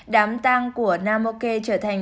đám tang của namokê trở thành